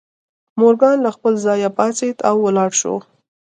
مورګان له خپل ځایه پاڅېد او ولاړ شو